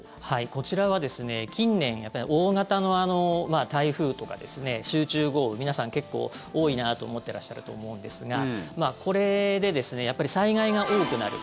こちらは近年大型の台風とか集中豪雨皆さん、結構多いなと思ってらっしゃると思うんですがこれで災害が多くなる。